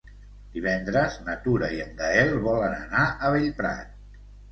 Divendres na Tura i en Gaël volen anar a Bellprat.